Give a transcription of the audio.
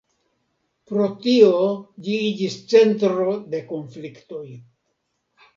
Pro tio ĝi iĝis centro de konfliktoj.